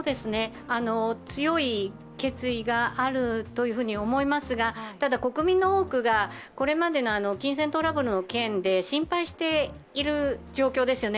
強い決意があるというふうに思いますがただ、国民の多くがこれまでの金銭トラブルの件で心配している状況ですよね。